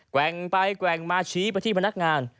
แว่งไปแกว่งมาชี้ไปที่พนักงาน